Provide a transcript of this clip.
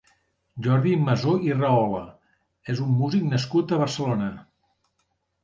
Jordi Masó i Rahola és un músic nascut a Barcelona.